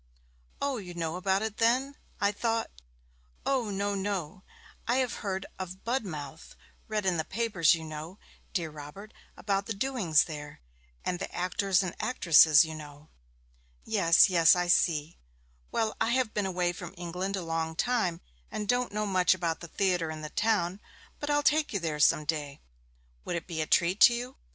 'O, you know about it then? I thought ' 'O no, no! I have heard of Budmouth read in the papers, you know, dear Robert, about the doings there, and the actors and actresses, you know.' 'Yes, yes, I see. Well, I have been away from England a long time, and don't know much about the theatre in the town; but I'll take you there some day. Would it be a treat to you?'